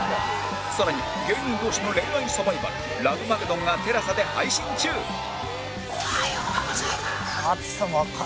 更に芸人同士の恋愛サバイバルラブマゲドンが ＴＥＬＡＳＡ で配信中おはようございます。